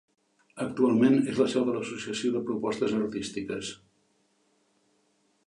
Actualment és la seu de l'Associació de Propostes Artístiques.